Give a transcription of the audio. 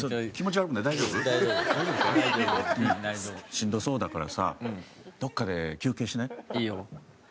しんどそうだからさどこかで休憩しない？いいよ。